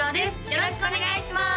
よろしくお願いします